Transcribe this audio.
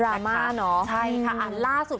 รามาร์เนาะ